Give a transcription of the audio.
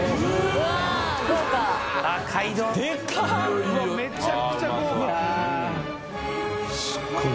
うわっめちゃくちゃ豪華。